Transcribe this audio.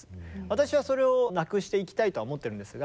私はそれをなくしていきたいとは思ってるんですが。